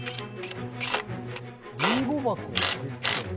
りんご箱を取り付ける。